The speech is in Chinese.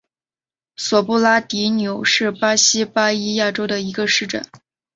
索布拉迪纽是巴西巴伊亚州的一个市镇。